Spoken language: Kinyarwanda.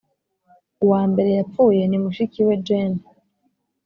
“uwa mbere yapfuye ni mushiki we jane;